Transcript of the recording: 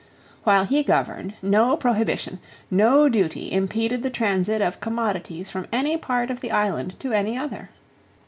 While he governed, no prohibition, no duty, impeded the transit of commodities from any part of the island to any other.